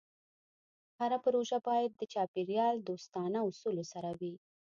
هره پروژه باید د چاپېریال دوستانه اصولو سره وي.